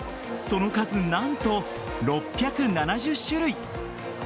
その数、何と６７０種類。